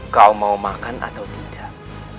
kau mau makan atau tidak